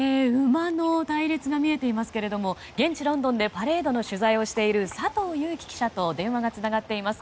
馬の隊列が見えていますけれども現地ロンドンでパレードの取材をしている佐藤裕樹記者と電話がつながっています。